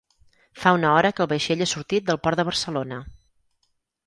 Fa una hora que el vaixell ha sortit del port de Barcelona.